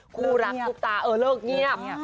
คู่รักตุ๊บตาเลิกเงียบ